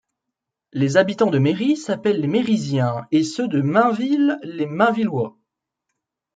Les habitants de Mairy s'appellent les Mairisiens et ceux de Mainville les Mainvillois.